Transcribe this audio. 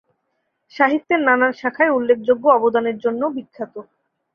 সাহিত্যের নানান শাখায় উল্লেখযোগ্য অবদানের জন্যও বিখ্যাত।